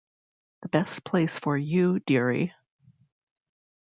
The best place for you, deary.